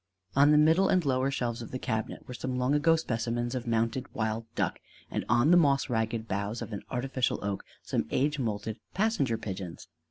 On the middle and lower shelves of the cabinet were some long ago specimens of mounted wild duck; and on the moss ragged boughs of an artificial oak some age moulted passenger pigeons.